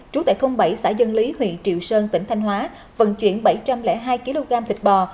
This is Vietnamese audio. trú tại thôn bảy xã dân lý huyện triệu sơn tỉnh thanh hóa vận chuyển bảy trăm linh hai kg thịt bò